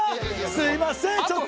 すいませんちょっと。